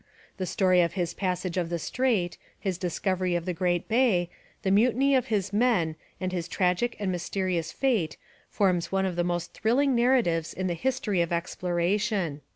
The story of his passage of the strait, his discovery of the great bay, the mutiny of his men and his tragic and mysterious fate forms one of the most thrilling narratives in the history of exploration.